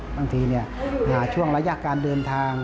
บางทีหาช่วงระยะการเดินทาง